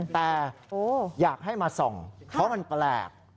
แต่อยากให้มาส่องเพราะมันแปลก